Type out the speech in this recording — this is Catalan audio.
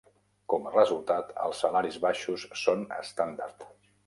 Com a resultat, els salaris baixos són estàndard.